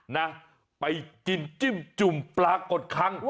นะไปจิ้มจุ่มปลากดครั้ง